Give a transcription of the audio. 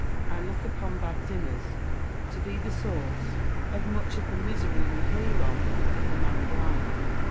I look upon bad dinners to be the source of much of the misery we hear of in the married life.